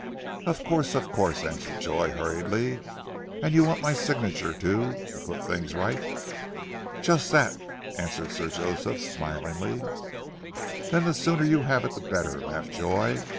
"Of course! Of course!" answered Joy hurriedly. "And you want my signature to to put things right." "Just that!" answered Sir Joseph smilingly. "Then the sooner you have it the better," laughed Joy.